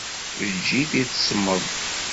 Eǧǧ-it i tesmeḍ.